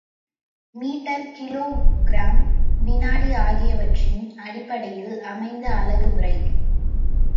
Metre kilogram வினாடி ஆகியவற்றின் அடிப்படையில் அமைந்த அலகு முறை.